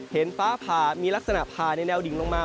เห็นฟ้าผ่ามีลักษณะผ่าในแนวดิ่งลงมา